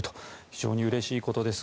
非常にうれしいことです。